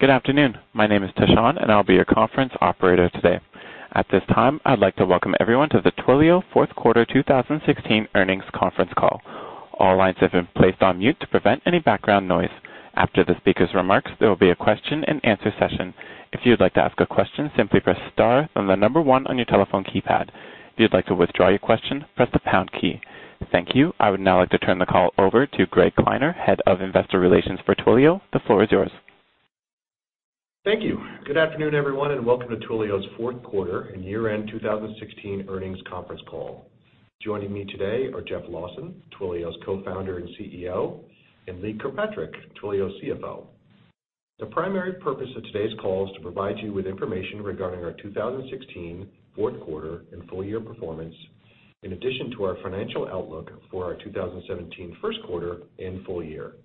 Good afternoon. My name is Tashan, and I'll be your conference operator today. At this time, I'd like to welcome everyone to the Twilio fourth quarter 2016 earnings conference call. All lines have been placed on mute to prevent any background noise. After the speaker's remarks, there will be a question and answer session. If you'd like to ask a question, simply press star, then the number one on your telephone keypad. If you'd like to withdraw your question, press the pound key. Thank you. I would now like to turn the call over to Greg Kleiner, Head of Investor Relations for Twilio. The floor is yours. Thank you. Good afternoon, everyone, and welcome to Twilio's fourth quarter and year-end 2016 earnings conference call. Joining me today are Jeff Lawson, Twilio's Co-founder and CEO, and Lee Kirkpatrick, Twilio's CFO. The primary purpose of today's call is to provide you with information regarding our 2016 fourth quarter and full year performance, in addition to our financial outlook for our 2017 first quarter and full year.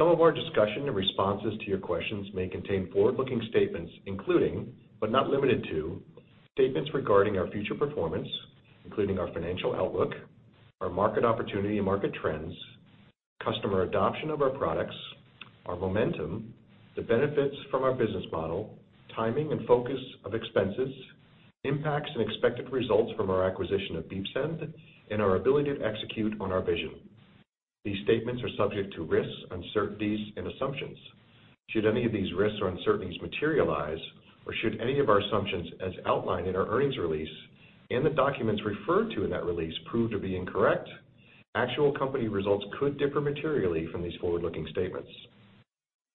Some of our discussion and responses to your questions may contain forward-looking statements, including, but not limited to, statements regarding our future performance, including our financial outlook, our market opportunity and market trends, customer adoption of our products, our momentum, the benefits from our business model, timing and focus of expenses, impacts and expected results from our acquisition of Beepsend, and our ability to execute on our vision. These statements are subject to risks, uncertainties, and assumptions. Should any of these risks or uncertainties materialize, or should any of our assumptions as outlined in our earnings release, and the documents referred to in that release prove to be incorrect, actual company results could differ materially from these forward-looking statements.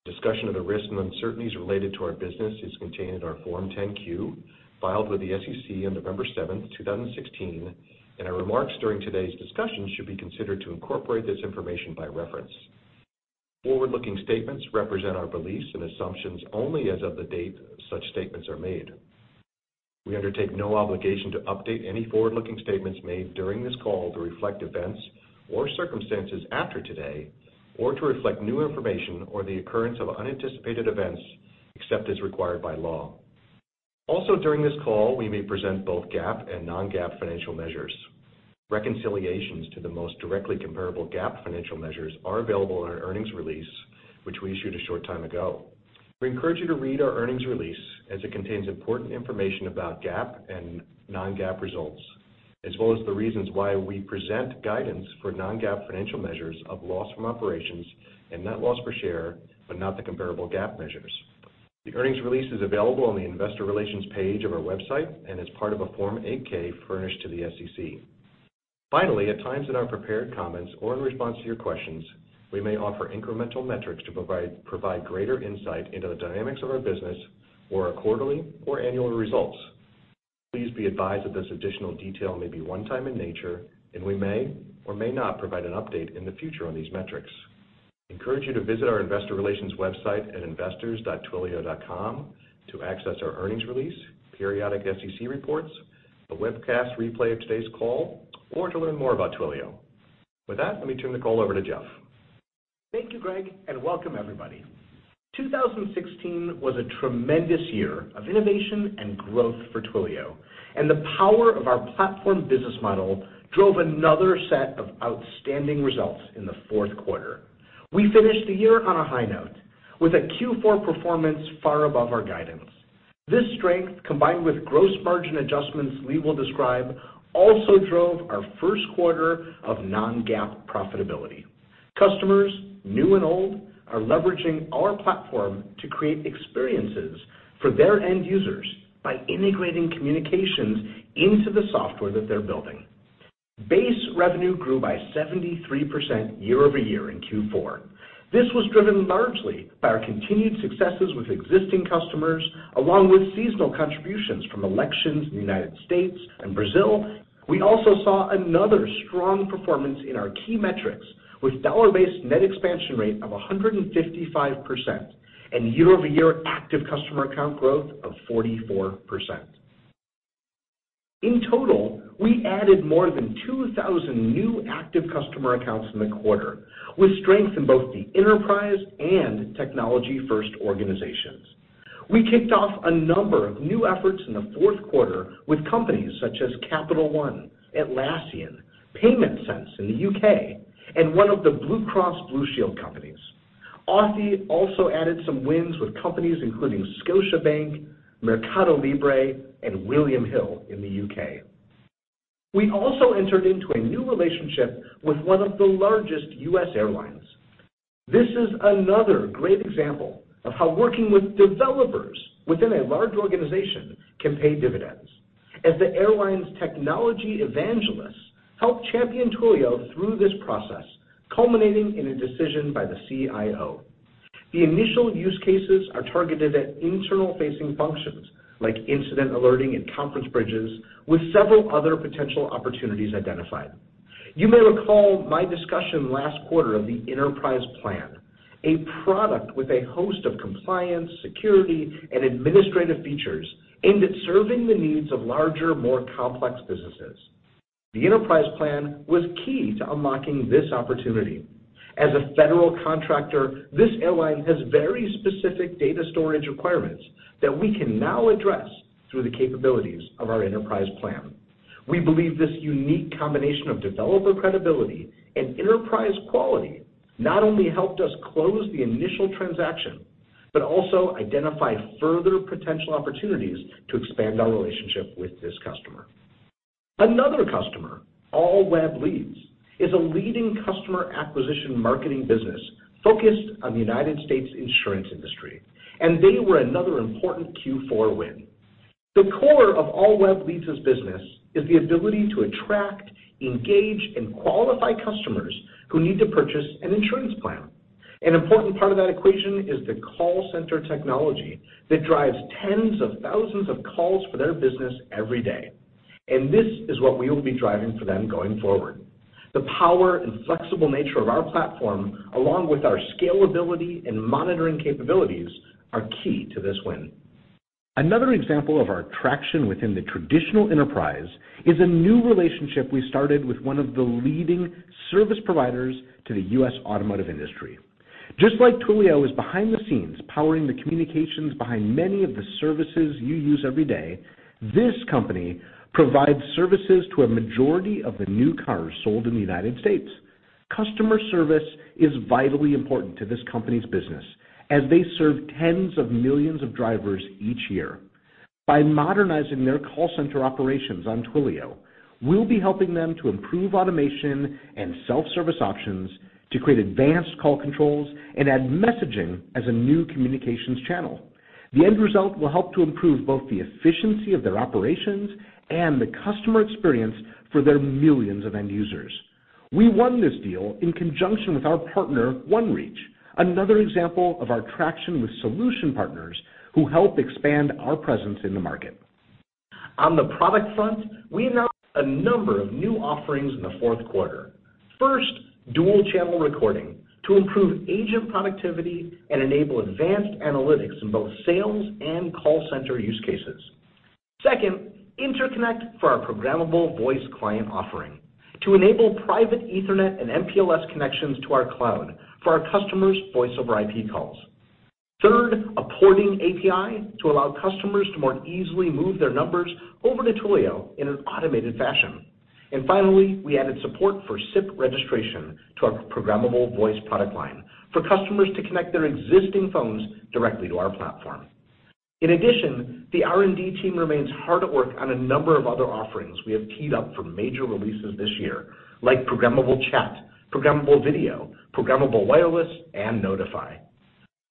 Discussion of the risks and uncertainties related to our business is contained in our Form 10-Q, filed with the SEC on November 7th, 2016, and our remarks during today's discussion should be considered to incorporate this information by reference. Forward-looking statements represent our beliefs and assumptions only as of the date such statements are made. We undertake no obligation to update any forward-looking statements made during this call to reflect events or circumstances after today, or to reflect new information or the occurrence of unanticipated events, except as required by law. Also during this call, we may present both GAAP and non-GAAP financial measures. Reconciliations to the most directly comparable GAAP financial measures are available in our earnings release, which we issued a short time ago. We encourage you to read our earnings release, as it contains important information about GAAP and non-GAAP results, as well as the reasons why we present guidance for non-GAAP financial measures of loss from operations and net loss per share, but not the comparable GAAP measures. The earnings release is available on the investors.twilio.com page of our website and is part of a Form 8-K furnished to the SEC. Finally, at times in our prepared comments or in response to your questions, we may offer incremental metrics to provide greater insight into the dynamics of our business or our quarterly or annual results. Please be advised that this additional detail may be one-time in nature, and we may or may not provide an update in the future on these metrics. Encourage you to visit our investor relations website at investors.twilio.com to access our earnings release, periodic SEC reports, a webcast replay of today's call, or to learn more about Twilio. With that, let me turn the call over to Jeff. Thank you, Greg, and welcome everybody. 2016 was a tremendous year of innovation and growth for Twilio. The power of our platform business model drove another set of outstanding results in the fourth quarter. We finished the year on a high note with a Q4 performance far above our guidance. This strength, combined with gross margin adjustments we will describe, also drove our first quarter of non-GAAP profitability. Customers, new and old, are leveraging our platform to create experiences for their end users by integrating communications into the software that they're building. Base revenue grew by 73% year-over-year in Q4. This was driven largely by our continued successes with existing customers, along with seasonal contributions from elections in the U.S. and Brazil. We also saw another strong performance in our key metrics with dollar-based net expansion rate of 155% and year-over-year active customer account growth of 44%. In total, we added more than 2,000 new active customer accounts in the quarter, with strength in both the enterprise and technology-first organizations. We kicked off a number of new efforts in the fourth quarter with companies such as Capital One, Atlassian, Paymentsense in the U.K., and one of the Blue Cross Blue Shield companies. Authy also added some wins with companies including Scotiabank, Mercado Libre, and William Hill in the U.K. We also entered into a new relationship with one of the largest U.S. airlines. This is another great example of how working with developers within a large organization can pay dividends, as the airline's technology evangelists helped champion Twilio through this process, culminating in a decision by the CIO. The initial use cases are targeted at internal-facing functions, like incident alerting and conference bridges, with several other potential opportunities identified. You may recall my discussion last quarter of the Enterprise Plan, a product with a host of compliance, security, and administrative features aimed at serving the needs of larger, more complex businesses. The Enterprise Plan was key to unlocking this opportunity. As a federal contractor, this airline has very specific data storage requirements that we can now address through the capabilities of our Enterprise Plan. We believe this unique combination of developer credibility and enterprise quality not only helped us close the initial transaction, but also identified further potential opportunities to expand our relationship with this customer. Another customer, All Web Leads, is a leading customer acquisition marketing business focused on the U.S. insurance industry, and they were another important Q4 win. The core of All Web Leads' business is the ability to attract, engage, and qualify customers who need to purchase an insurance plan. An important part of that equation is the call center technology that drives tens of thousands of calls for their business every day, and this is what we will be driving for them going forward. The power and flexible nature of our platform, along with our scalability and monitoring capabilities, are key to this win. Another example of our traction within the traditional enterprise is a new relationship we started with one of the leading service providers to the U.S. automotive industry. Just like Twilio is behind the scenes powering the communications behind many of the services you use every day, this company provides services to a majority of the new cars sold in the U.S. Customer service is vitally important to this company's business as they serve tens of millions of drivers each year. By modernizing their call center operations on Twilio, we'll be helping them to improve automation and self-service options to create advanced call controls and add messaging as a new communications channel. The end result will help to improve both the efficiency of their operations and the customer experience for their millions of end users. We won this deal in conjunction with our partner, OneReach, another example of our traction with solution partners who help expand our presence in the market. On the product front, we announced a number of new offerings in the fourth quarter. First, Dual-Channel Recording to improve agent productivity and enable advanced analytics in both sales and call center use cases. Second, Interconnect for our programmable voice client offering to enable private Ethernet and MPLS connections to our cloud for our customers' VoIP calls. Third, a Porting API to allow customers to more easily move their numbers over to Twilio in an automated fashion. Finally, we added support for SIP registration to our programmable voice product line for customers to connect their existing phones directly to our platform. In addition, the R&D team remains hard at work on a number of other offerings we have teed up for major releases this year, like Programmable Chat, Programmable Video, Programmable Wireless, and Notify.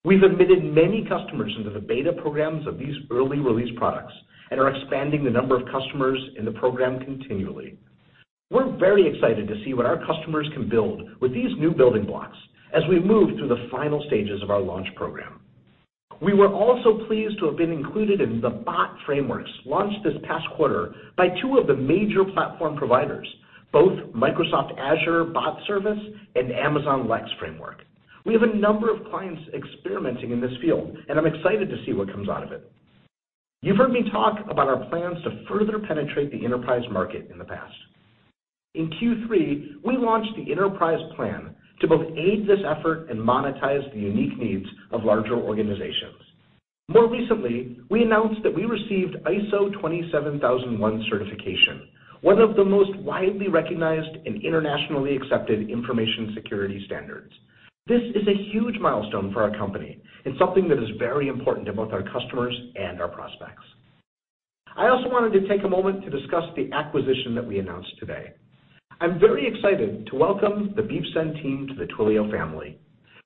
We've admitted many customers into the beta programs of these early release products and are expanding the number of customers in the program continually. We're very excited to see what our customers can build with these new building blocks as we move through the final stages of our launch program. We were also pleased to have been included in the bot frameworks launched this past quarter by two of the major platform providers, both Microsoft Azure Bot Service and Amazon Lex framework. We have a number of clients experimenting in this field, and I'm excited to see what comes out of it. You've heard me talk about our plans to further penetrate the Enterprise market in the past. In Q3, we launched the Enterprise Plan to both aid this effort and monetize the unique needs of larger organizations. More recently, we announced that we received ISO 27001 certification, one of the most widely recognized and internationally accepted information security standards. This is a huge milestone for our company and something that is very important to both our customers and our prospects. I also wanted to take a moment to discuss the acquisition that we announced today. I'm very excited to welcome the Beepsend team to the Twilio family.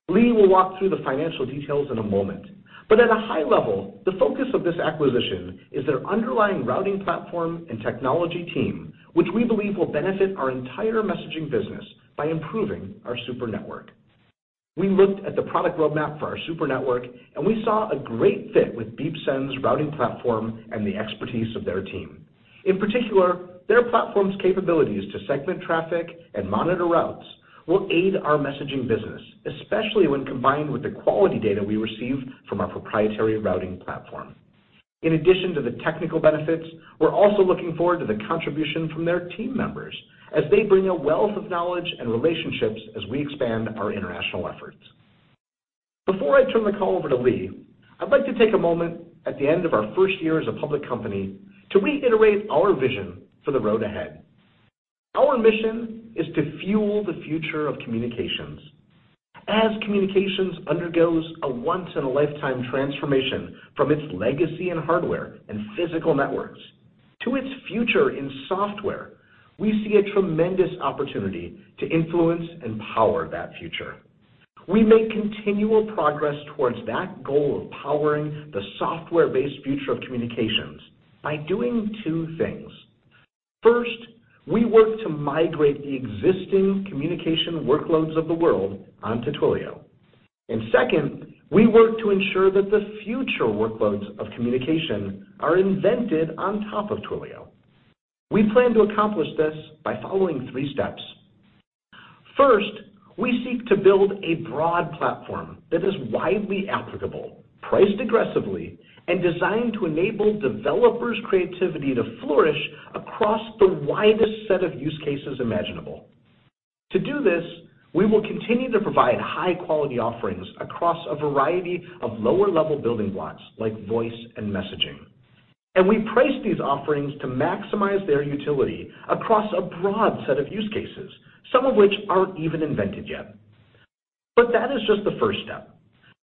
Lee will walk through the financial details in a moment, but at a high level, the focus of this acquisition is their underlying routing platform and technology team, which we believe will benefit our entire messaging business by improving our Super Network. We looked at the product roadmap for our Super Network, and we saw a great fit with Beepsend's routing platform and the expertise of their team. In particular, their platform's capabilities to segment traffic and monitor routes will aid our messaging business, especially when combined with the quality data we receive from our proprietary routing platform. In addition to the technical benefits, we're also looking forward to the contribution from their team members as they bring a wealth of knowledge and relationships as we expand our international efforts. Before I turn the call over to Lee, I'd like to take a moment at the end of our first year as a public company to reiterate our vision for the road ahead. Our mission is to fuel the future of communications. As communications undergoes a once-in-a-lifetime transformation from its legacy in hardware and physical networks to its future in software, we see a tremendous opportunity to influence and power that future. We make continual progress towards that goal of powering the software-based future of communications by doing two things. First, we work to migrate the existing communication workloads of the world onto Twilio. Second, we work to ensure that the future workloads of communication are invented on top of Twilio. We plan to accomplish this by following three steps. First, we seek to build a broad platform that is widely applicable, priced aggressively, and designed to enable developers' creativity to flourish across the widest set of use cases imaginable. To do this, we will continue to provide high-quality offerings across a variety of lower-level building blocks like voice and messaging. We price these offerings to maximize their utility across a broad set of use cases, some of which aren't even invented yet. That is just the first step.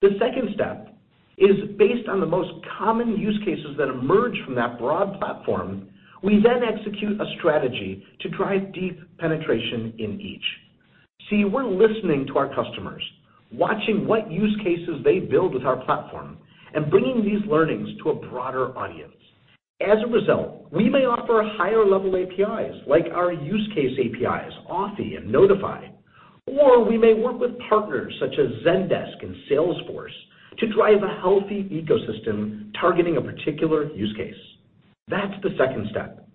The second step is based on the most common use cases that emerge from that broad platform, we then execute a strategy to drive deep penetration in each. See, we're listening to our customers, watching what use cases they build with our platform, and bringing these learnings to a broader audience. As a result, we may offer higher-level APIs like our use case APIs, Authy and Notify, or we may work with partners such as Zendesk and Salesforce to drive a healthy ecosystem targeting a particular use case. That's the second step.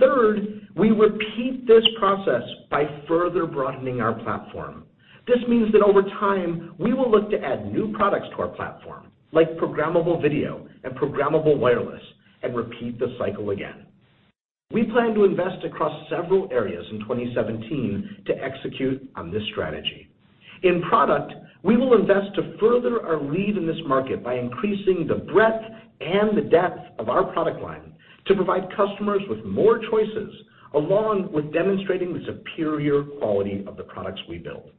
Third, we repeat this process by further broadening our platform. This means that over time, we will look to add new products to our platform, like Programmable Video and Programmable Wireless, and repeat the cycle again. We plan to invest across several areas in 2017 to execute on this strategy. In product, we will invest to further our lead in this market by increasing the breadth and the depth of our product line to provide customers with more choices, along with demonstrating the superior quality of the products we build.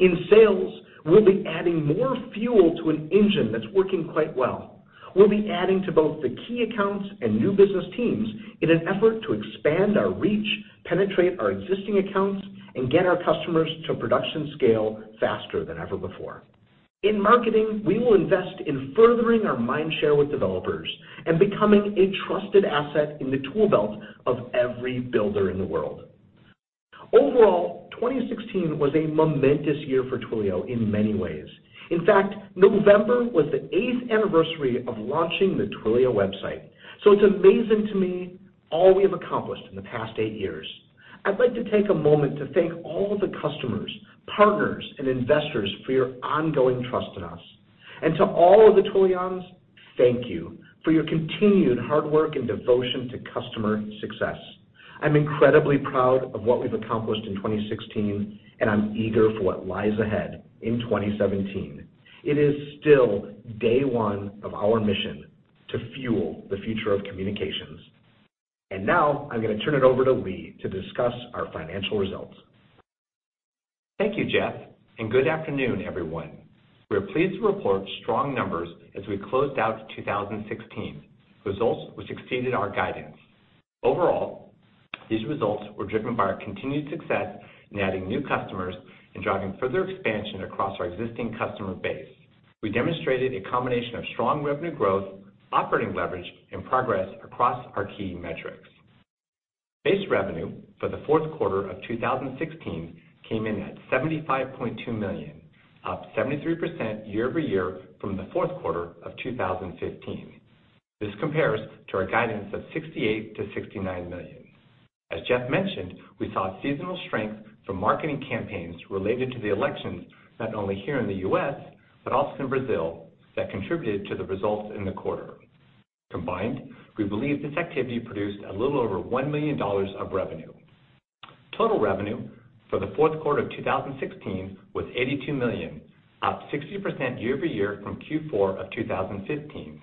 In sales, we'll be adding more fuel to an engine that's working quite well. We'll be adding to both the key accounts and new business teams in an effort to expand our reach, penetrate our existing accounts, and get our customers to production scale faster than ever before. In marketing, we will invest in furthering our mind share with developers and becoming a trusted asset in the tool belt of every builder in the world. Overall, 2016 was a momentous year for Twilio in many ways. In fact, November was the eighth anniversary of launching the Twilio website. So it's amazing to me all we have accomplished in the past eight years. I'd like to take a moment to thank all the customers, partners, and investors for your ongoing trust in us. And to all of the Twilions, thank you for your continued hard work and devotion to customer success. I'm incredibly proud of what we've accomplished in 2016, and I'm eager for what lies ahead in 2017. It is still day one of our mission to fuel the future of communications. Now I'm going to turn it over to Lee to discuss our financial results. Thank you, Jeff, and good afternoon, everyone. We are pleased to report strong numbers as we closed out 2016, results which exceeded our guidance. Overall, these results were driven by our continued success in adding new customers and driving further expansion across our existing customer base. We demonstrated a combination of strong revenue growth, operating leverage, and progress across our key metrics. Base revenue for the fourth quarter of 2016 came in at $75.2 million, up 73% year-over-year from the fourth quarter of 2015. This compares to our guidance of $68 million to $69 million. As Jeff mentioned, we saw seasonal strength from marketing campaigns related to the elections, not only here in the U.S., but also in Brazil, that contributed to the results in the quarter. Combined, we believe this activity produced a little over $1 million of revenue. Total revenue for the fourth quarter of 2016 was $82 million, up 60% year-over-year from Q4 of 2015.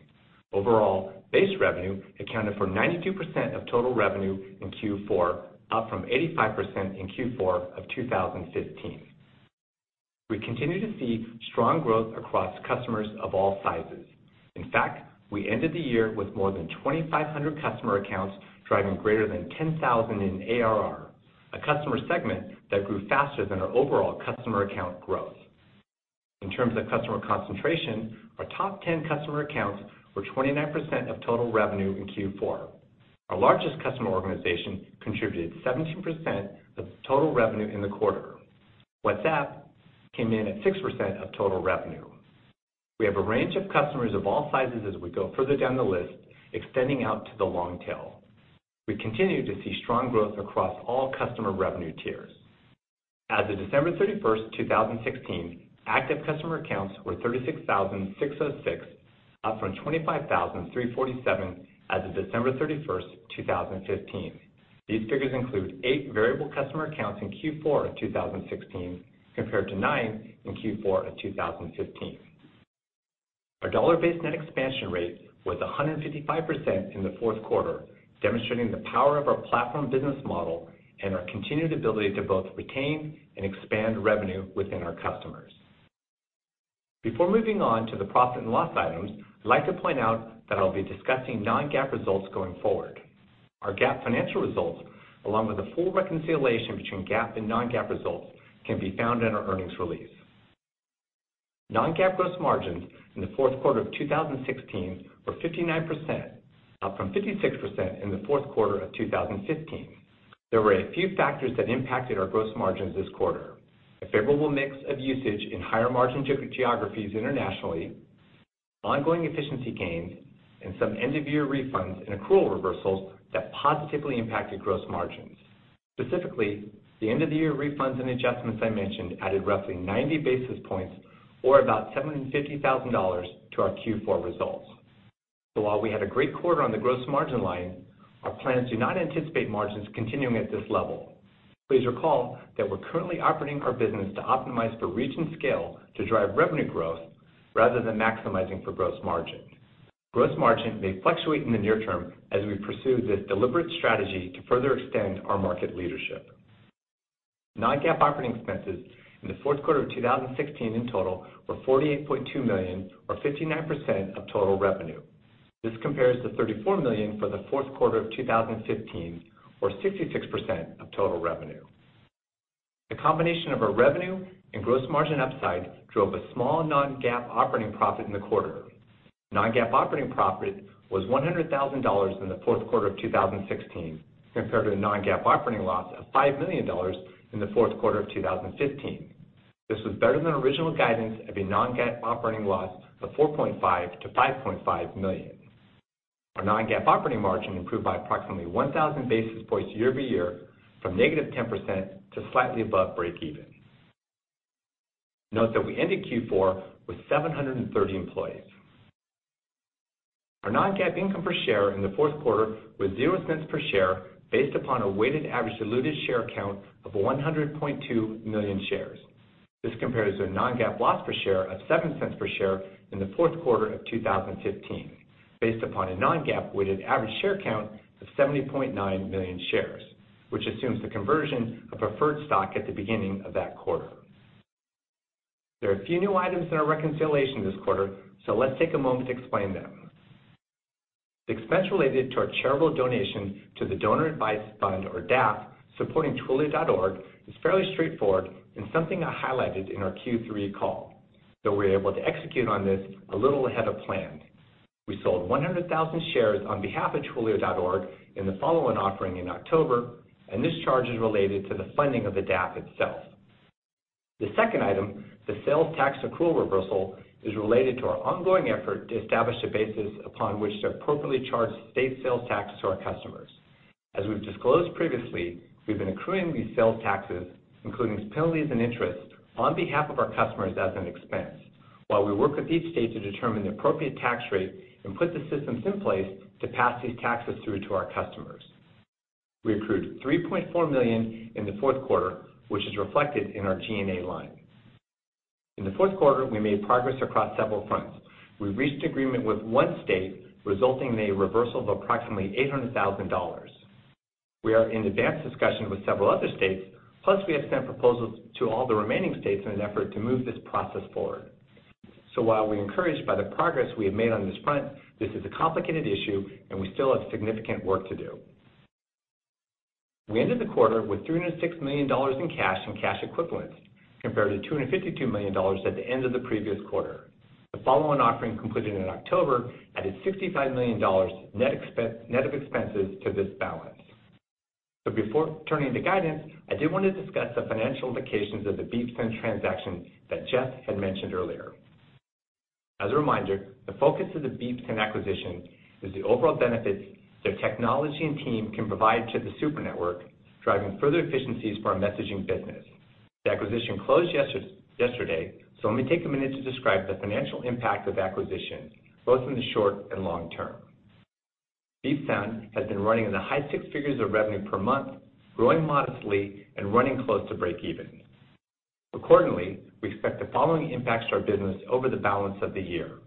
Overall, base revenue accounted for 92% of total revenue in Q4, up from 85% in Q4 of 2015. We continue to see strong growth across customers of all sizes. In fact, we ended the year with more than 2,500 customer accounts, driving greater than 10,000 in ARR, a customer segment that grew faster than our overall customer account growth. In terms of customer concentration, our top 10 customer accounts were 29% of total revenue in Q4. Our largest customer organization contributed 17% of total revenue in the quarter. WhatsApp came in at 6% of total revenue. We have a range of customers of all sizes as we go further down the list, extending out to the long tail. We continue to see strong growth across all customer revenue tiers. As of December 31st, 2016, active customer accounts were 36,606, up from 25,347 as of December 31st, 2015. These figures include eight variable customer accounts in Q4 of 2016, compared to nine in Q4 of 2015. Our dollar-based net expansion rate was 155% in the fourth quarter, demonstrating the power of our platform business model and our continued ability to both retain and expand revenue within our customers. Before moving on to the profit and loss items, I'd like to point out that I'll be discussing non-GAAP results going forward. Our GAAP financial results, along with a full reconciliation between GAAP and non-GAAP results, can be found in our earnings release. Non-GAAP gross margins in the fourth quarter of 2016 were 59%, up from 56% in the fourth quarter of 2015. There were a few factors that impacted our gross margins this quarter. A favorable mix of usage in higher-margin geographies internationally, ongoing efficiency gains, and some end-of-year refunds and accrual reversals that positively impacted gross margins. Specifically, the end-of-the-year refunds and adjustments I mentioned added roughly 90 basis points or about $750,000 to our Q4 results. While we had a great quarter on the gross margin line, our plans do not anticipate margins continuing at this level. Please recall that we're currently operating our business to optimize for reach and scale to drive revenue growth rather than maximizing for gross margin. Gross margin may fluctuate in the near term as we pursue this deliberate strategy to further extend our market leadership. Non-GAAP operating expenses in the fourth quarter of 2016 in total were $48.2 million or 59% of total revenue. This compares to $34 million for the fourth quarter of 2015, or 66% of total revenue. The combination of our revenue and gross margin upside drove a small non-GAAP operating profit in the quarter. Non-GAAP operating profit was $100,000 in the fourth quarter of 2016 compared to a non-GAAP operating loss of $5 million in the fourth quarter of 2015. This was better than original guidance of a non-GAAP operating loss of $4.5 million-$5.5 million. Our non-GAAP operating margin improved by approximately 1,000 basis points year-over-year, from -10% to slightly above breakeven. Note that we ended Q4 with 730 employees. Our non-GAAP income per share in the fourth quarter was $0.00 per share based upon a weighted average diluted share count of 100.2 million shares. This compares to a non-GAAP loss per share of $0.07 per share in the fourth quarter of 2015, based upon a non-GAAP weighted average share count of 70.9 million shares, which assumes the conversion of preferred stock at the beginning of that quarter. There are a few new items in our reconciliation this quarter. Let's take a moment to explain them. The expense related to our charitable donation to the Donor Advised Fund, or DAF, supporting Twilio.org, is fairly straightforward and something I highlighted in our Q3 call, though we were able to execute on this a little ahead of plan. We sold 100,000 shares on behalf of Twilio.org in the follow-on offering in October. This charge is related to the funding of the DAF itself. The second item, the sales tax accrual reversal, is related to our ongoing effort to establish a basis upon which to appropriately charge state sales tax to our customers. As we've disclosed previously, we've been accruing these sales taxes, including penalties and interest, on behalf of our customers as an expense while we work with each state to determine the appropriate tax rate and put the systems in place to pass these taxes through to our customers. We accrued $3.4 million in the fourth quarter, which is reflected in our G&A line. In the fourth quarter, we made progress across several fronts. We reached agreement with one state, resulting in a reversal of approximately $800,000. We are in advanced discussion with several other states, plus we have sent proposals to all the remaining states in an effort to move this process forward. While we're encouraged by the progress we have made on this front, this is a complicated issue and we still have significant work to do. We ended the quarter with $306 million in cash and cash equivalents, compared to $252 million at the end of the previous quarter. The follow-on offering completed in October added $65 million net of expenses to this balance. Before turning to guidance, I did want to discuss the financial implications of the Beepsend transaction that Jeff Lawson had mentioned earlier. As a reminder, the focus of the Beepsend acquisition is the overall benefits their technology and team can provide to the Super Network, driving further efficiencies for our messaging business. The acquisition closed yesterday, let me take a minute to describe the financial impact of acquisition, both in the short and long term. Beepsend has been running in the high six figures of revenue per month, growing modestly and running close to breakeven. Accordingly, we expect the following impacts to our business over the balance of the year.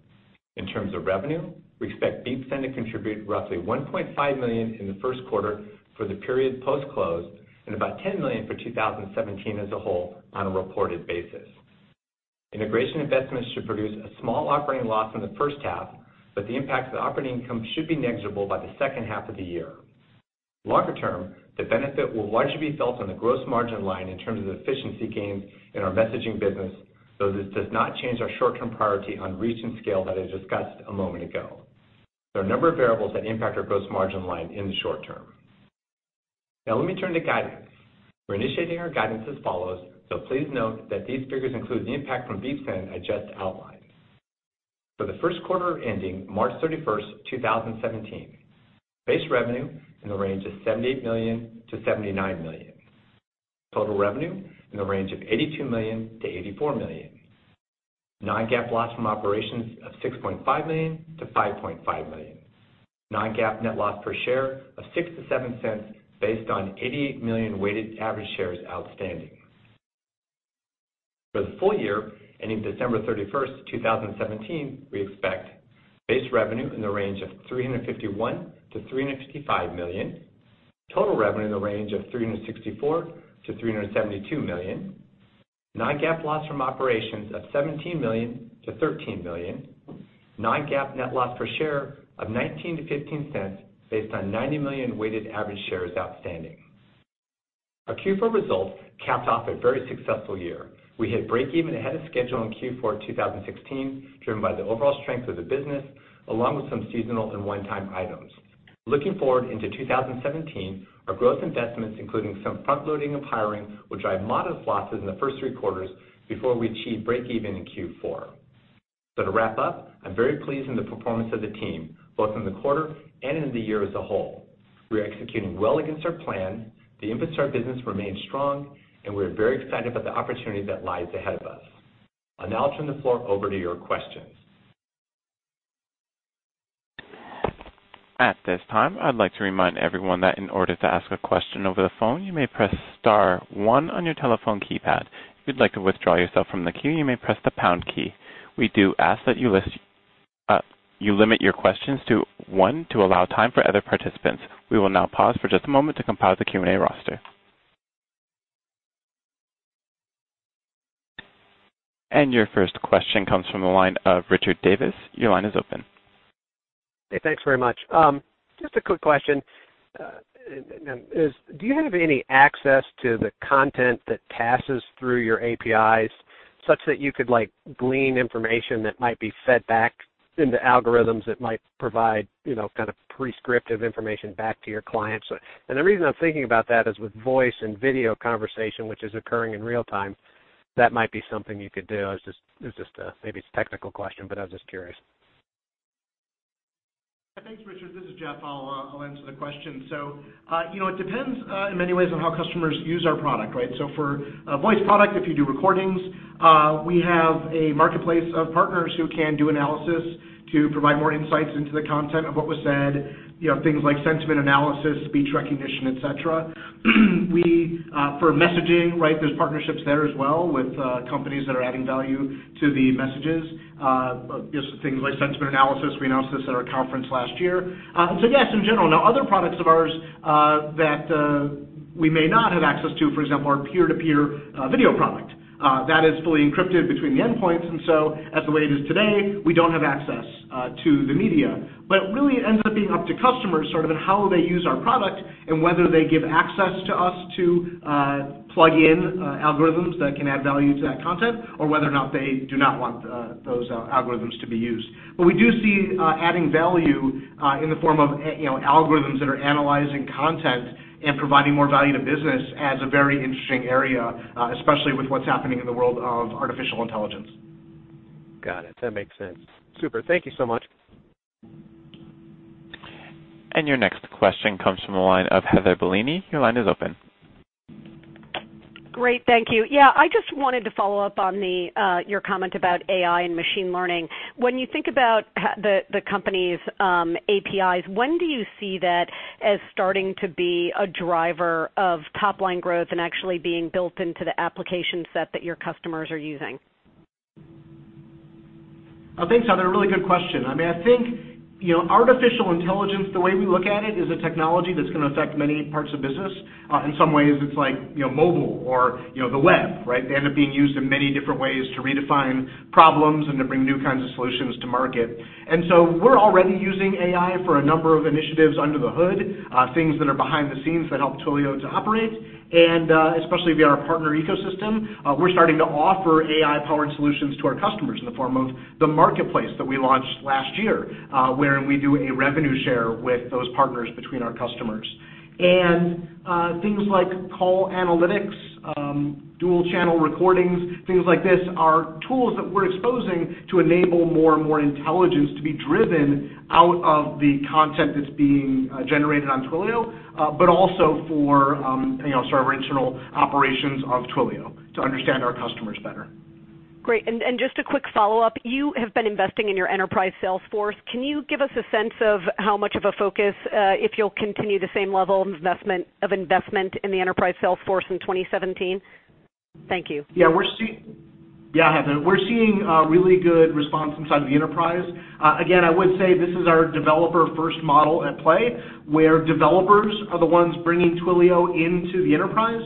In terms of revenue, we expect Beepsend to contribute roughly $1.5 million in the first quarter for the period post-close and about $10 million for 2017 as a whole on a reported basis. Integration investments should produce a small operating loss in the first half, but the impact to operating income should be negligible by the second half of the year. Longer term, the benefit will largely be felt on the gross margin line in terms of efficiency gains in our messaging business, though this does not change our short-term priority on reach and scale that I discussed a moment ago. There are a number of variables that impact our gross margin line in the short term. Let me turn to guidance. We're initiating our guidance as follows, please note that these figures include the impact from Beepsend I just outlined. For the first quarter ending March 31st, 2017, base revenue in the range of $78 million-$79 million. Total revenue in the range of $82 million-$84 million. Non-GAAP loss from operations of $6.5 million-$5.5 million. Non-GAAP net loss per share of $0.06-$0.07 based on 88 million weighted average shares outstanding. For the full year ending December 31st, 2017, we expect base revenue in the range of $351 million-$355 million. Total revenue in the range of $364 million-$372 million. Non-GAAP loss from operations of $17 million-$13 million. Non-GAAP net loss per share of $0.19 to $0.15 based on 90 million weighted average shares outstanding. Our Q4 results capped off a very successful year. We hit breakeven ahead of schedule in Q4 2016, driven by the overall strength of the business, along with some seasonal and one-time items. Looking forward into 2017, our growth investments, including some front-loading of hiring, will drive modest losses in the first three quarters before we achieve breakeven in Q4. To wrap up, I'm very pleased in the performance of the team, both in the quarter and in the year as a whole. We are executing well against our plan, the impetus of our business remains strong, and we are very excited about the opportunity that lies ahead of us. I'll now turn the floor over to your questions. At this time, I'd like to remind everyone that in order to ask a question over the phone, you may press star one on your telephone keypad. If you'd like to withdraw yourself from the queue, you may press the pound key. We do ask that you limit your questions to one, to allow time for other participants. We will now pause for just a moment to compile the Q&A roster. Your first question comes from the line of Richard Davis. Your line is open. Hey, thanks very much. Just a quick question. Do you have any access to the content that passes through your APIs, such that you could glean information that might be fed back into algorithms that might provide kind of pre-scripted information back to your clients? The reason I'm thinking about that is with voice and video conversation, which is occurring in real time, that might be something you could do. Maybe it's a technical question, but I was just curious. Thanks, Richard. This is Jeff. I'll answer the question. It depends in many ways on how customers use our product. For a voice product, if you do recordings, we have a marketplace of partners who can do analysis to provide more insights into the content of what was said, things like sentiment analysis, speech recognition, et cetera. For messaging, there's partnerships there as well with companies that are adding value to the messages, just for things like sentiment analysis. We announced this at our conference last year. Yes, in general. Now, other products of ours that we may not have access to, for example, our peer-to-peer video product. That is fully encrypted between the end points, and so as the way it is today, we don't have access to the media. Really, it ends up being up to customers sort of in how they use our product and whether they give access to us to plug in algorithms that can add value to that content or whether or not they do not want those algorithms to be used. We do see adding value in the form of algorithms that are analyzing content and providing more value to business as a very interesting area, especially with what's happening in the world of artificial intelligence. Got it. That makes sense. Super. Thank you so much. Your next question comes from the line of Heather Bellini. Your line is open. Great. Thank you. I just wanted to follow up on your comment about AI and machine learning. When you think about the company's APIs, when do you see that as starting to be a driver of top-line growth and actually being built into the application set that your customers are using? Thanks, Heather. Really good question. I think artificial intelligence, the way we look at it, is a technology that's going to affect many parts of business. In some ways, it's like mobile or the web. They end up being used in many different ways to redefine problems and to bring new kinds of solutions to market. We're already using AI for a number of initiatives under the hood, things that are behind the scenes that help Twilio to operate, and especially via our partner ecosystem. We're starting to offer AI-powered solutions to our customers in the form of the marketplace that we launched last year, where we do a revenue share with those partners between our customers. Things like call analytics, Dual-Channel Recording, things like this, are tools that we're exposing to enable more and more intelligence to be driven out of the content that's being generated on Twilio, but also for our internal operations of Twilio to understand our customers better. Great. Just a quick follow-up. You have been investing in your enterprise sales force. Can you give us a sense of how much of a focus, if you'll continue the same level of investment in the enterprise sales force in 2017? Thank you. Heather. We're seeing really good response inside the enterprise. I would say this is our developer-first model at play, where developers are the ones bringing Twilio into the enterprise,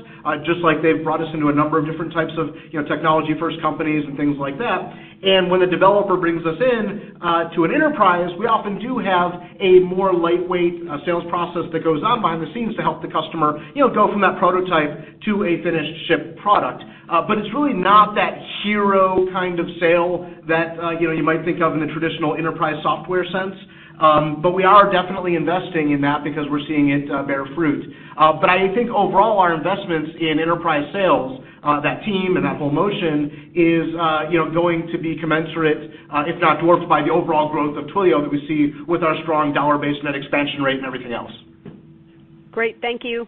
just like they've brought us into a number of different types of technology-first companies and things like that. When a developer brings us in to an enterprise, we often do have a more lightweight sales process that goes on behind the scenes to help the customer go from that prototype to a finished shipped product. It's really not that hero kind of sale that you might think of in a traditional enterprise software sense. We are definitely investing in that because we're seeing it bear fruit. I think overall, our investments in enterprise sales, that team and that whole motion, is going to be commensurate, if not dwarfed by the overall growth of Twilio that we see with our strong dollar-based net expansion rate and everything else. Great. Thank you.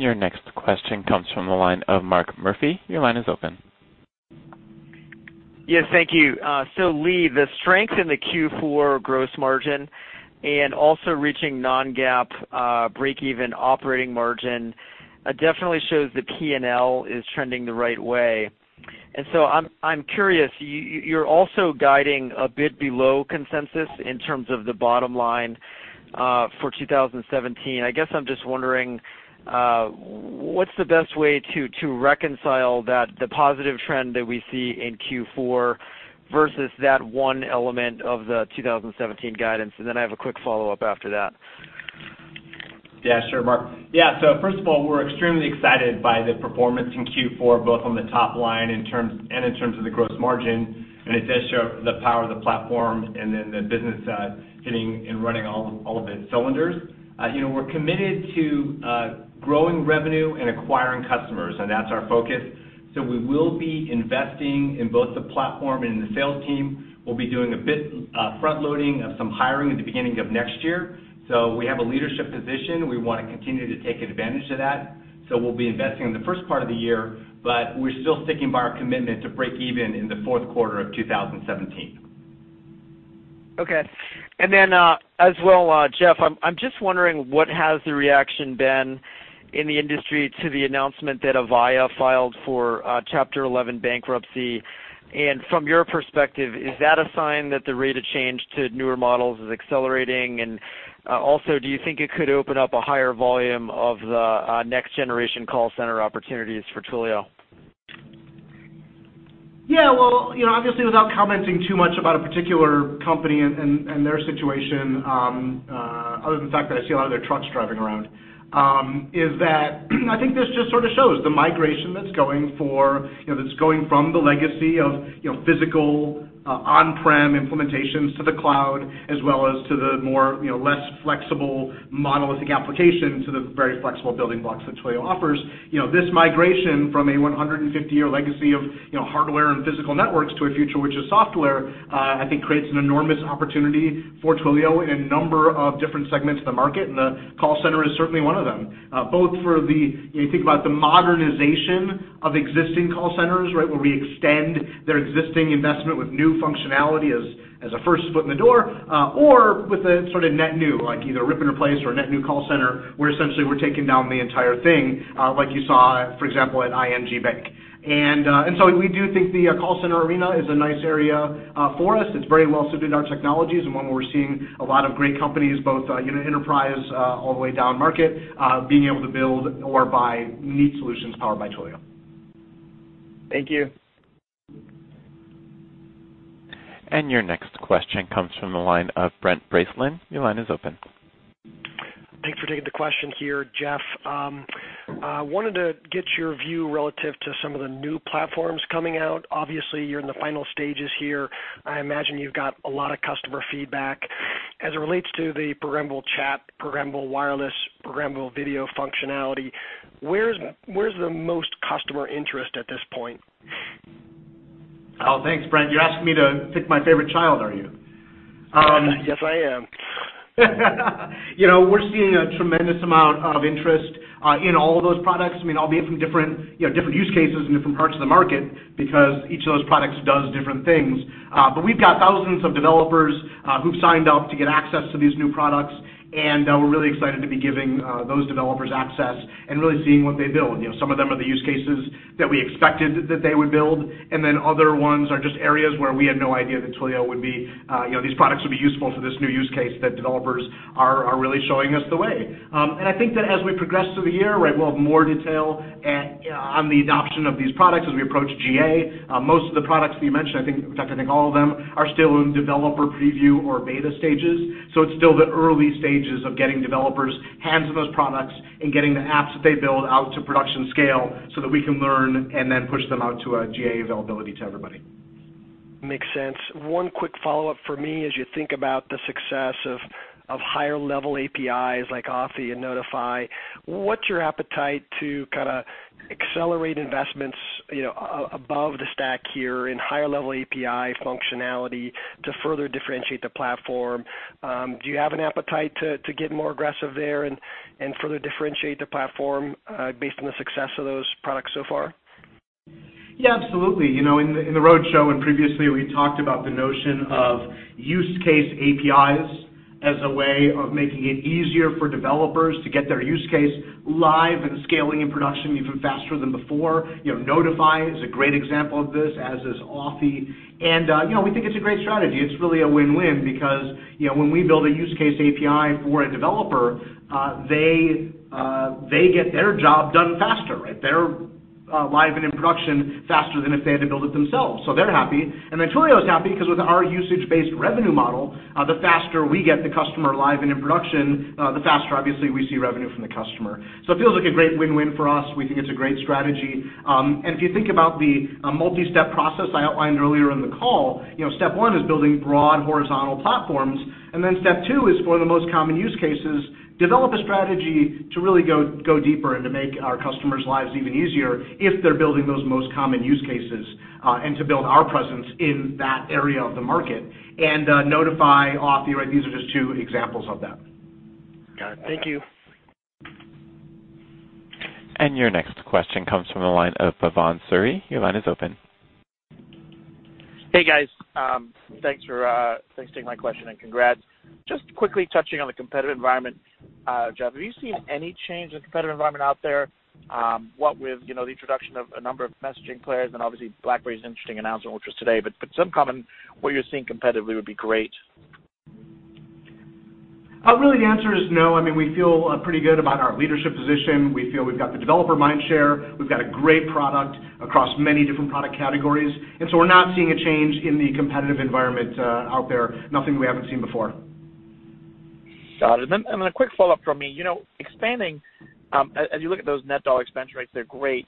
Your next question comes from the line of Mark Murphy. Your line is open. Yes, thank you. Lee, the strength in the Q4 gross margin and also reaching non-GAAP breakeven operating margin definitely shows the P&L is trending the right way. I'm curious, you're also guiding a bit below consensus in terms of the bottom line for 2017. I guess I'm just wondering, what's the best way to reconcile the positive trend that we see in Q4 versus that one element of the 2017 guidance? And then I have a quick follow-up after that. Yeah, sure, Mark. First of all, we're extremely excited by the performance in Q4, both on the top line and in terms of the gross margin, and it does show the power of the platform and then the business hitting and running all of its cylinders. We're committed to growing revenue and acquiring customers, and that's our focus. We will be investing in both the platform and the sales team. We'll be doing a bit front-loading of some hiring at the beginning of next year. We have a leadership position. We want to continue to take advantage of that. We'll be investing in the first part of the year, but we're still sticking by our commitment to break even in the fourth quarter of 2017. Okay. As well, Jeff, I'm just wondering, what has the reaction been in the industry to the announcement that Avaya filed for Chapter 11 bankruptcy? From your perspective, is that a sign that the rate of change to newer models is accelerating? Also, do you think it could open up a higher volume of the next-generation call center opportunities for Twilio? Well, obviously without commenting too much about a particular company and their situation, other than the fact that I see a lot of their trucks driving around, is that I think this just sort of shows the migration that's going from the legacy of physical on-prem implementations to the cloud, as well as to the more less flexible monolithic application to the very flexible building blocks that Twilio offers. This migration from a 150-year legacy of hardware and physical networks to a future which is software, I think creates an enormous opportunity for Twilio in a number of different segments of the market, and the call center is certainly one of them. Both for the, you think about the modernization of existing call centers, right, where we extend their existing investment with new functionality as a first foot in the door, or with a sort of net new, like either rip and replace or a net new call center, where essentially we're taking down the entire thing, like you saw, for example, at ING Bank. We do think the call center arena is a nice area for us. It's very well suited to our technologies, and one where we're seeing a lot of great companies, both enterprise all the way down market, being able to build or buy neat solutions powered by Twilio. Thank you. Your next question comes from the line of Brent Bracelin. Your line is open. Thanks for taking the question here, Jeff. I wanted to get your view relative to some of the new platforms coming out. Obviously, you're in the final stages here. I imagine you've got a lot of customer feedback. As it relates to the Programmable Chat, Programmable Wireless, Programmable Video functionality, where's the most customer interest at this point? Oh, thanks, Brent. You're asking me to pick my favorite child, are you? Yes, I am. We're seeing a tremendous amount of interest in all of those products. I mean, albeit from different use cases and different parts of the market because each of those products does different things. We've got thousands of developers who've signed up to get access to these new products. We're really excited to be giving those developers access and really seeing what they build. Some of them are the use cases that we expected that they would build. Other ones are just areas where we had no idea that these products would be useful for this new use case that developers are really showing us the way. I think that as we progress through the year, we'll have more detail on the adoption of these products as we approach GA. Most of the products that you mentioned, in fact, I think all of them, are still in developer preview or beta stages. It's still the early stages of getting developers' hands on those products and getting the apps that they build out to production scale so that we can learn and push them out to a GA availability to everybody. Makes sense. One quick follow-up from me, as you think about the success of higher-level APIs like Authy and Notify, what's your appetite to kind of accelerate investments above the stack here in higher-level API functionality to further differentiate the platform? Do you have an appetite to get more aggressive there and further differentiate the platform based on the success of those products so far? Yeah, absolutely. In the roadshow and previously, we talked about the notion of use case APIs as a way of making it easier for developers to get their use case live and scaling in production even faster than before. Notify is a great example of this, as is Authy. We think it's a great strategy. It's really a win-win because when we build a use case API for a developer, they get their job done faster. They're live and in production faster than if they had to build it themselves. They're happy, and then Twilio's happy because with our usage-based revenue model, the faster we get the customer live and in production, the faster obviously we see revenue from the customer. It feels like a great win-win for us. We think it's a great strategy. If you think about the multi-step process I outlined earlier in the call, step 1 is building broad horizontal platforms, and then step 2 is for the most common use cases, develop a strategy to really go deeper and to make our customers' lives even easier if they're building those most common use cases, and to build our presence in that area of the market. Notify, Authy, these are just two examples of that. Got it. Thank you. Your next question comes from the line of Bhavan Suri. Your line is open. Hey, guys. Thanks for taking my question, congrats. Just quickly touching on the competitive environment, Jeff, have you seen any change in the competitive environment out there, what with the introduction of a number of messaging players and obviously BlackBerry's interesting announcement with us today, but some comment what you're seeing competitively would be great. Really, the answer is no. We feel pretty good about our leadership position. We feel we've got the developer mind share. We've got a great product across many different product categories. We're not seeing a change in the competitive environment out there, nothing we haven't seen before. Got it. A quick follow-up from me. Expanding, as you look at those net dollar expense rates, they're great.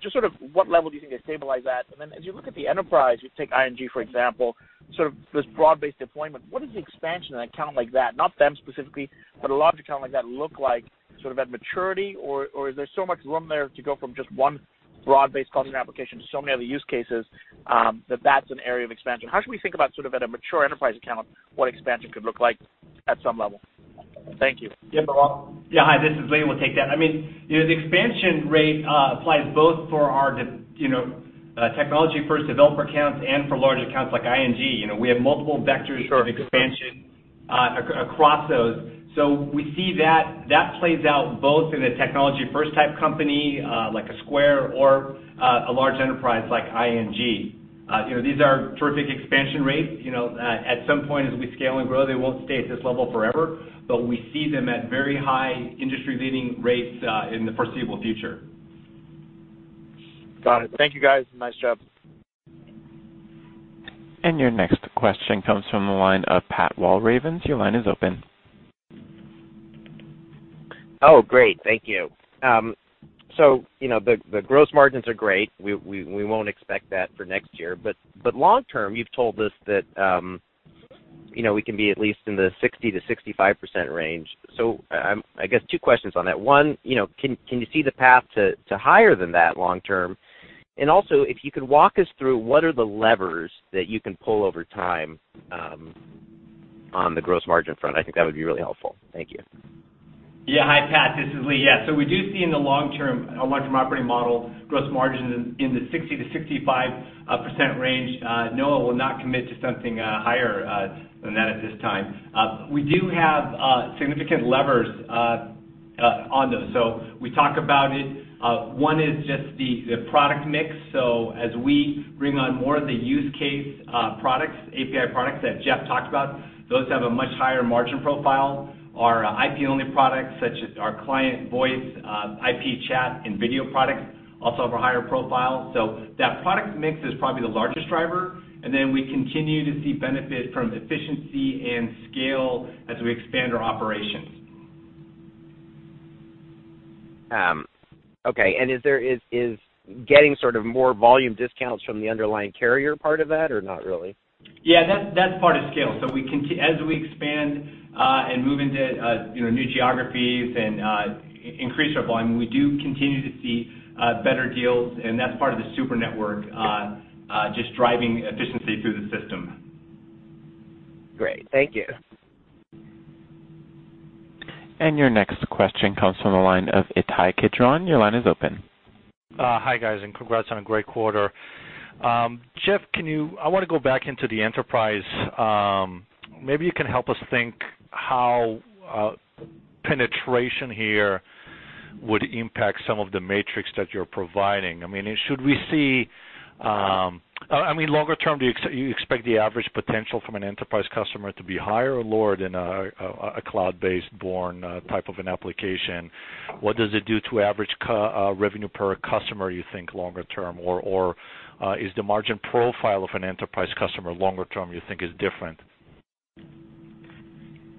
Just sort of what level do you think they stabilize at? As you look at the enterprise, you take ING, for example, sort of this broad-based deployment, what does the expansion in an account like that, not them specifically, but a larger account like that look like sort of at maturity? Or is there so much room there to go from just one broad-based customer application to so many other use cases that that's an area of expansion? How should we think about sort of at a mature enterprise account, what expansion could look like at some level? Thank you. Yeah, no problem. Yeah. Hi, this is Lee. We'll take that. The expansion rate applies both for our technology first developer accounts and for large accounts like ING. We have multiple vectors of expansion across those. We see that plays out both in a technology first type company, like a Square or a large enterprise like ING. These are terrific expansion rates. At some point as we scale and grow, they won't stay at this level forever, but we see them at very high industry leading rates in the foreseeable future. Got it. Thank you, guys. Nice job. Your next question comes from the line of Pat Walravens. Your line is open. Great. Thank you. The gross margins are great. We won't expect that for next year, but long term, you've told us that we can be at least in the 60%-65% range. I guess two questions on that. One, can you see the path to higher than that long term? Also if you could walk us through what are the levers that you can pull over time on the gross margin front? I think that would be really helpful. Thank you. Hi, Pat. This is Lee. We do see in the long term operating model gross margin in the 60%-65% range. No, I will not commit to something higher than that at this time. We do have significant levers on those. We talk about it. One is just the product mix. As we bring on more of the use case products, API products that Jeff talked about, those have a much higher margin profile. Our IP-only products, such as our client voice, IP chat, and video products also have a higher profile. That product mix is probably the largest driver. Then we continue to see benefit from efficiency and scale as we expand our operations. Okay. Is getting sort of more volume discounts from the underlying carrier part of that or not really? That's part of scale. As we expand and move into new geographies and increase our volume, we do continue to see better deals, and that's part of the Super Network, just driving efficiency through the system. Great. Thank you. Your next question comes from the line of Ittai Kidron. Your line is open. Hi, guys, congrats on a great quarter. Jeff, I want to go back into the enterprise. Maybe you can help us think how penetration here would impact some of the metrics that you're providing. Longer term, do you expect the average potential from an enterprise customer to be higher or lower than a cloud-based born type of an application? What does it do to average revenue per customer, you think longer term, or is the margin profile of an enterprise customer longer term, you think is different?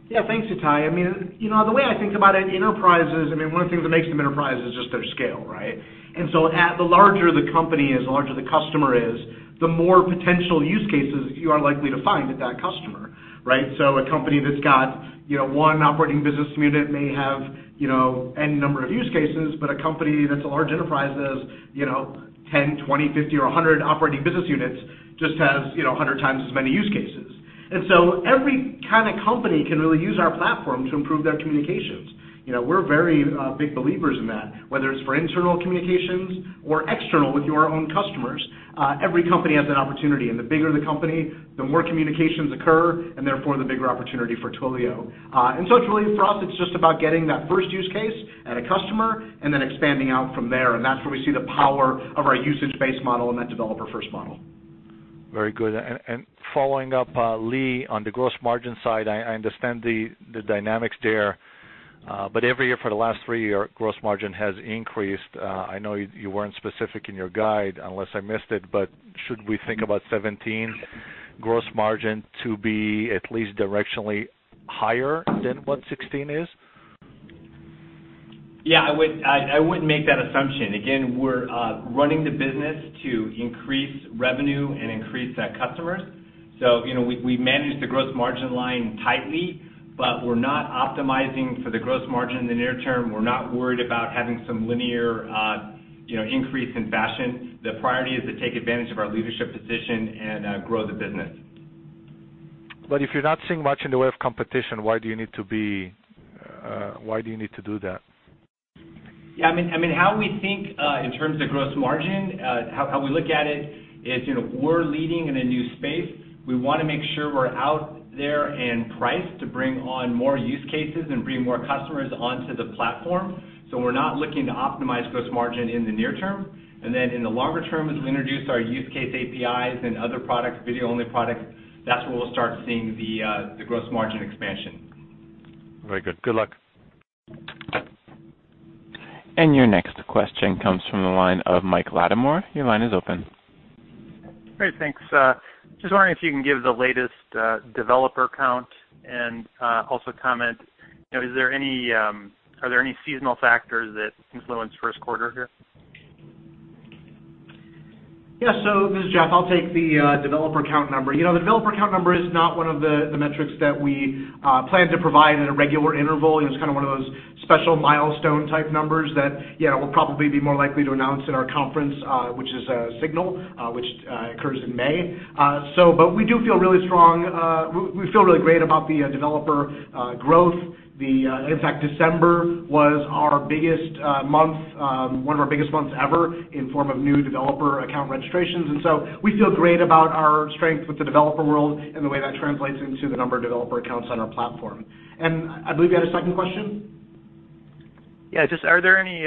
Yeah, thanks, Ittai. The way I think about it, one of the things that makes them enterprise is just their scale, right? The larger the company is, the larger the customer is, the more potential use cases you are likely to find at that customer, right? A company that's got one operating business unit may have any number of use cases, but a company that's a large enterprise that has 10, 20, 50, or 100 operating business units just has 100 times as many use cases. Every kind of company can really use our platform to improve their communications. We're very big believers in that, whether it's for internal communications or external with your own customers. Every company has that opportunity, and the bigger the company, the more communications occur, and therefore, the bigger opportunity for Twilio. It's really, for us, it's just about getting that first use case at a customer and then expanding out from there. That's where we see the power of our usage-based model and that developer first model. Very good. Following up, Lee, on the gross margin side, I understand the dynamics there. Every year for the last three year, gross margin has increased. I know you weren't specific in your guide unless I missed it, should we think about 2017 gross margin to be at least directionally higher than what 2016 is? I wouldn't make that assumption. Again, we're running the business to increase revenue and increase net customers. We manage the gross margin line tightly, but we're not optimizing for the gross margin in the near term. We're not worried about having some linear increase in fashion. The priority is to take advantage of our leadership position and grow the business. If you're not seeing much in the way of competition, why do you need to do that? Yeah. How we think in terms of gross margin, how we look at it is we're leading in a new space. We want to make sure we're out there and priced to bring on more use cases and bring more customers onto the platform. We're not looking to optimize gross margin in the near term. In the longer term, as we introduce our use case APIs and other products, video-only products, that's where we'll start seeing the gross margin expansion. Very good. Good luck. Your next question comes from the line of Michael Latimore. Your line is open. Great. Thanks. Just wondering if you can give the latest developer count. Also comment, are there any seasonal factors that influence first quarter here? Yes. This is Jeff, I'll take the developer count number. The developer count number is not one of the metrics that we plan to provide at a regular interval. It's one of those special milestone type numbers that we'll probably be more likely to announce in our conference, which is SIGNAL, which occurs in May. We feel really great about the developer growth. In fact, December was one of our biggest months ever in form of new developer account registrations. We feel great about our strength with the developer world and the way that translates into the number of developer accounts on our platform. I believe you had a second question. Yeah, just are there any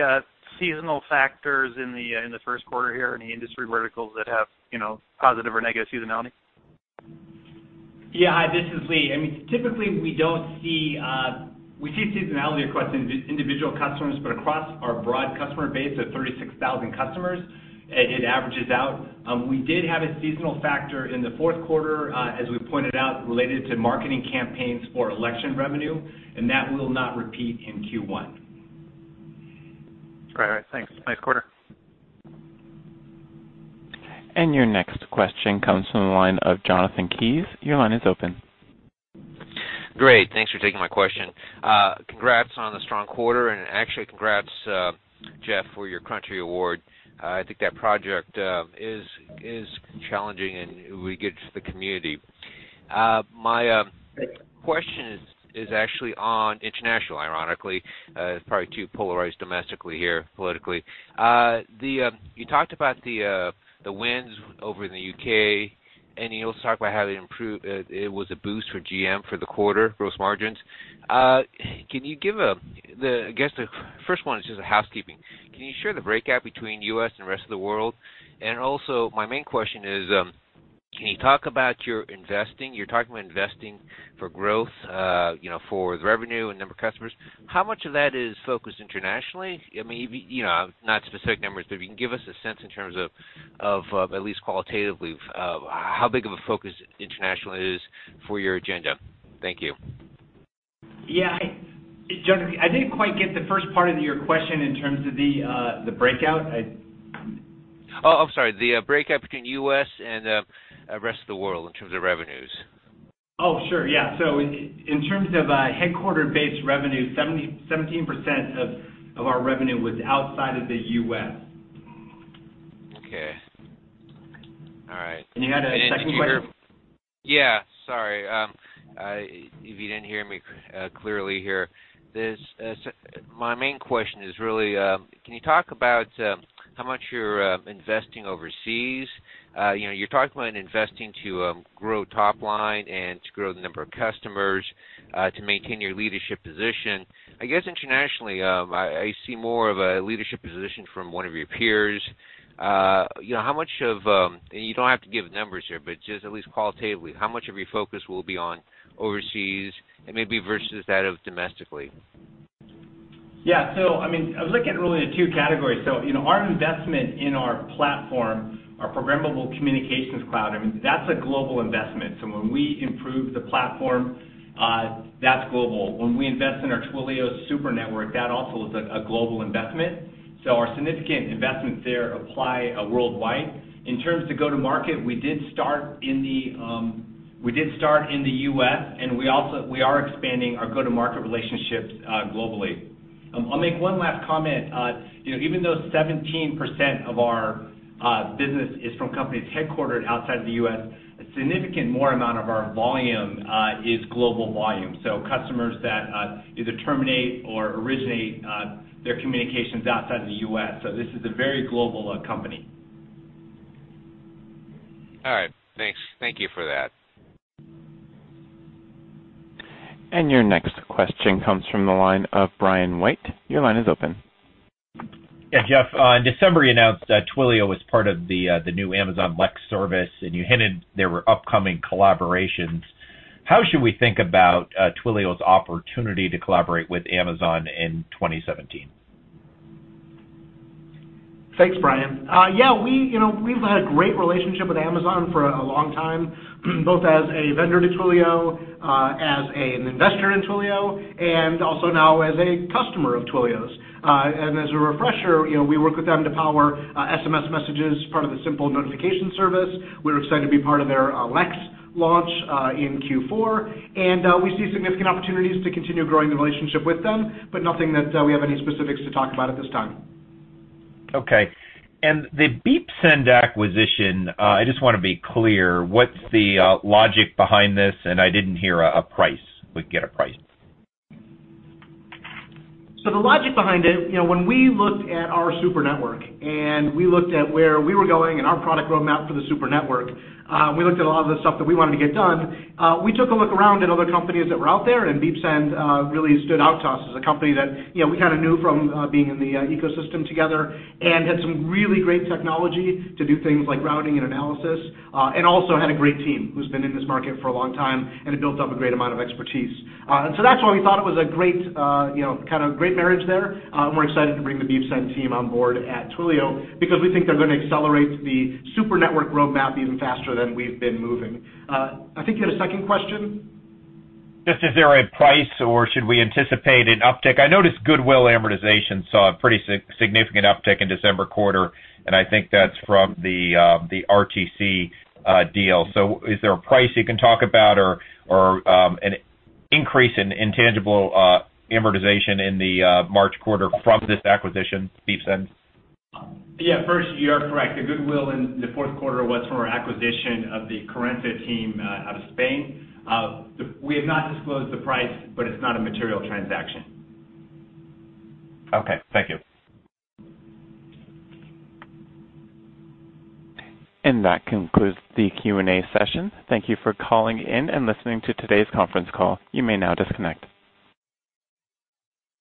seasonal factors in the first quarter here, any industry verticals that have positive or negative seasonality? Yeah. This is Lee. Typically, we see seasonality across individual customers, but across our broad customer base of 36,000 customers, it averages out. We did have a seasonal factor in the fourth quarter, as we pointed out, related to marketing campaigns for election revenue, and that will not repeat in Q1. All right. Thanks. Nice quarter. Your next question comes from the line of Jonathan Egol. Your line is open. Great, thanks for taking my question. Congrats on the strong quarter and actually congrats, Jeff, for your Founder of the Year award. I think that project is challenging and really good for the community. My question is actually on international, ironically, it's probably too polarized domestically here politically. You talked about the wins over in the U.K. and you also talked about how it was a boost for GM for the quarter gross margins. I guess the first one is just a housekeeping. Can you share the breakout between U.S. and the rest of the world? Also my main question is, can you talk about your investing? You're talking about investing for growth, for the revenue and number of customers. How much of that is focused internationally? Not specific numbers, if you can give us a sense in terms of, at least qualitatively, how big of a focus international is for your agenda. Thank you. Yeah. Jonathan, I didn't quite get the first part of your question in terms of the breakout. Oh, I'm sorry, the breakout between U.S. and the rest of the world in terms of revenues. Oh, sure, yeah. In terms of headquarter-based revenue, 17% of our revenue was outside of the U.S. Okay. All right. You had a second question? Sorry. If you didn't hear me clearly here, my main question is really, can you talk about how much you're investing overseas? You're talking about investing to grow top line and to grow the number of customers, to maintain your leadership position. I guess internationally, I see more of a leadership position from one of your peers. You don't have to give numbers here, but just at least qualitatively, how much of your focus will be on overseas and maybe versus that of domestically? I was looking at really the two categories. Our investment in our platform, our Programmable Communications Cloud, that's a global investment. When we improve the platform, that's global. When we invest in our Twilio Super Network, that also is a global investment. Our significant investments there apply worldwide. In terms of go-to-market, we did start in the U.S., We are expanding our go-to-market relationships globally. I'll make one last comment. Even though 17% of our business is from companies headquartered outside of the U.S., a significant more amount of our volume is global volume, so customers that either terminate or originate their communications outside of the U.S. This is a very global company. All right. Thanks. Thank you for that. Your next question comes from the line of Brian White. Your line is open. Jeff, in December, you announced that Twilio was part of the new Amazon Lex service. You hinted there were upcoming collaborations. How should we think about Twilio's opportunity to collaborate with Amazon in 2017? Thanks, Brian. Yeah, we've had a great relationship with Amazon for a long time, both as a vendor to Twilio, as an investor in Twilio, and also now as a customer of Twilio's. As a refresher, we work with them to power SMS messages, part of the Simple Notification Service. We're excited to be part of their Lex launch in Q4. We see significant opportunities to continue growing the relationship with them, nothing that we have any specifics to talk about at this time. Okay. The Beepsend acquisition, I just want to be clear, what's the logic behind this. I didn't hear a price. We can get a price. The logic behind it, when we looked at our Super Network and we looked at where we were going and our product roadmap for the Super Network, we looked at a lot of the stuff that we wanted to get done. We took a look around at other companies that were out there. Beepsend really stood out to us as a company that we kind of knew from being in the ecosystem together, had some really great technology to do things like routing and analysis, also had a great team who's been in this market for a long time and had built up a great amount of expertise. That's why we thought it was a great marriage there, and we're excited to bring the Beepsend team on board at Twilio because we think they're going to accelerate the Super Network roadmap even faster than we've been moving. I think you had a second question. Is there a price or should we anticipate an uptick? I noticed goodwill amortization saw a pretty significant uptick in December quarter, and I think that's from the RTC deal. Is there a price you can talk about or an increase in intangible amortization in the March quarter from this acquisition, Beepsend? Yeah. First, you are correct. The goodwill in the fourth quarter was from our acquisition of the Kurento team out of Spain. We have not disclosed the price, but it's not a material transaction. Okay, thank you. That concludes the Q&A session. Thank you for calling in and listening to today's conference call. You may now disconnect.